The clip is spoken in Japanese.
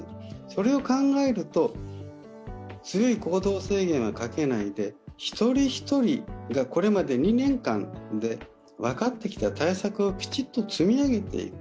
それを考えると強い行動制限はかけないで、一人一人がこれまで２年間で分かってきた対策をきちっと積み上げていく。